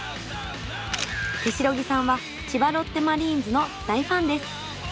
手代木さんは千葉ロッテマリーンズの大ファンです。